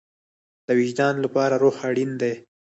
د وجدان لپاره روح اړین دی